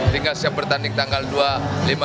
tinggal siap bertanding tanggal dua lima dan dua enam siap